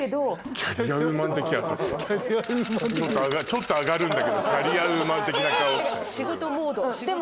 ちょっと上がるんだけどキャリアウーマン的な顔って。